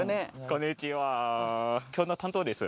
こんにちは今日の担当です